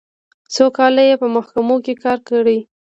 څو کاله یې په محکمو کې کار کړی.